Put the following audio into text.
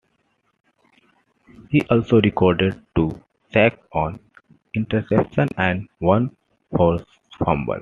He also recorded two sacks, one interception and one forced fumble.